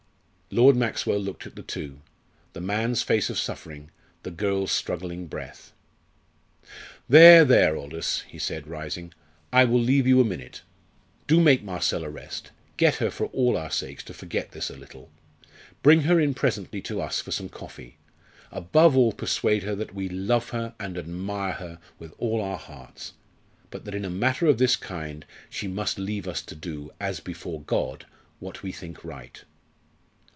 Lord Maxwell looked at the two the man's face of suffering, the girl's struggling breath. "There, there, Aldous!" he said, rising. "I will leave you a minute. Do make Marcella rest get her, for all our sakes, to forget this a little. Bring her in presently to us for some coffee. Above all, persuade her that we love her and admire her with all our hearts, but that in a matter of this kind she must leave us to do as before God! what we think right."